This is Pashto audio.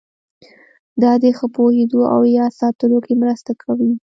دا د ښه پوهېدو او یاد ساتلو کې مرسته کوي.